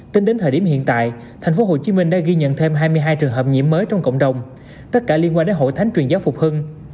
tính đến thời điểm hiện tại tp hcm đã ghi nhận thêm hai mươi hai trường hợp nhiễm mới trong cộng đồng tất cả liên quan đến hội thánh truyền giáo phục hưng